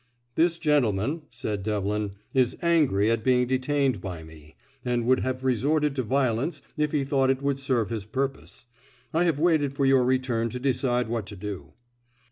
"This gentleman," said Devlin, "is angry at being detained by me, and would have resorted to violence if he thought it would serve his purpose. I have waited for your return to decide what to do."